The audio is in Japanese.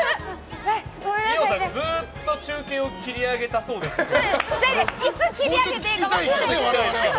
二葉さん、ずっと中継を切り上げたそうでしたけど。